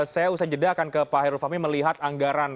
saya usai jeda akan ke pak heru fahmi melihat anggaran